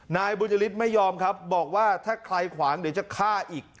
นายบุญจริตไม่ยอมครับบอกว่าถ้าใครขวางเดี๋ยวจะฆ่าอีก